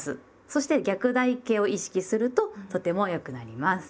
そして逆台形を意識するととても良くなります。